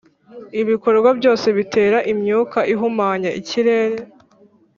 Ibikorwa byose bitera imyuka ihumanya ikirere